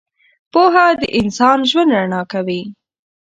• پوهه د انسان ژوند رڼا کوي.